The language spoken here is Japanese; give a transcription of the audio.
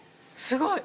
すごい。